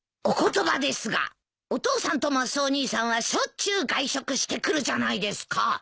お言葉ですがお父さんとマスオ兄さんはしょっちゅう外食してくるじゃないですか。